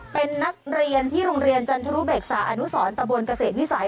เป็นนักเรียนที่โรงเรียนจันทรุเบกษาอนุสรตะบนเกษตรวิสัย